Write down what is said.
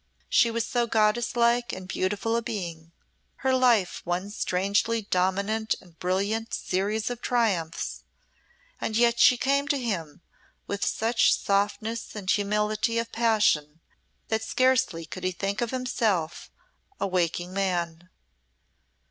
She was so goddess like and beautiful a being, her life one strangely dominant and brilliant series of triumphs, and yet she came to him with such softness and humility of passion, that scarcely could he think himself a waking man.